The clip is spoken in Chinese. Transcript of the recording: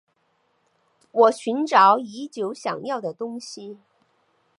我寻找已久想要的东西